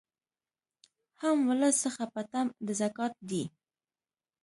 هم ولس څخه په طمع د زکات دي